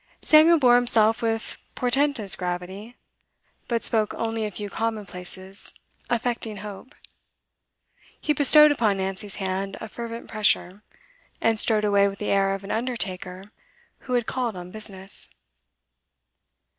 Samuel bore himself with portentous gravity, but spoke only a few commonplaces, affecting hope; he bestowed upon Nancy's hand a fervent pressure, and strode away with the air of an undertaker who had called on business.